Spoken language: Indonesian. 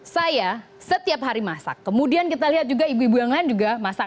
saya setiap hari masak kemudian kita lihat juga ibu ibu yang lain juga masak